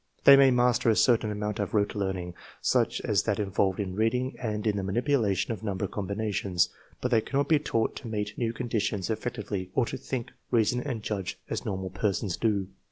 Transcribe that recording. They may master a certain amount of rote learning, such us that involved in reading and in the manipulation of number com binations, but they cannot be taught to meet new condi tions effectively or to think, reason, and judge as normal persons do.